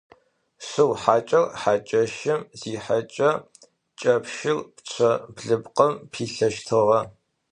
Шыу хьакӏэр хьакӏэщым зихьэкӏэ кӏэпщыр пчъэ блыпкъым пилъэщтыгъэ.